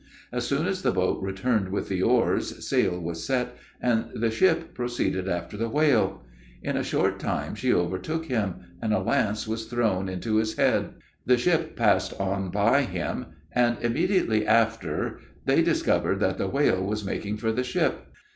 As soon as the boat returned with the oars, sail was set, and the ship proceeded after the whale. In a short time she overtook him, and a lance was thrown into his head. The ship passed on by him, and immediately after they discovered that the whale was making for the ship.